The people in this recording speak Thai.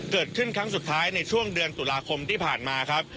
เกิดขึ้นครั้งสุดท้ายในช่วงเดือนตุลาคมที่ผ่านมาครับ